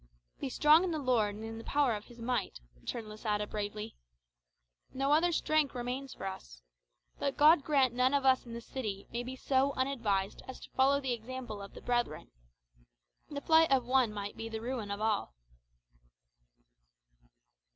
"Be strong in the Lord, and in the power of his might," returned Losada bravely. "No other strength remains for us. But God grant none of us in the city may be so unadvised as to follow the example of the brethren. The flight of one might be the ruin of all."